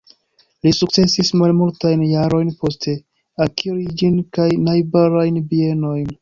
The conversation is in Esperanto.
Li sukcesis malmultajn jarojn poste akiri ĝin kaj najbarajn bienojn.